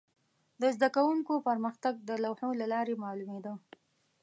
د زده کوونکو پرمختګ د لوحو له لارې معلومېده.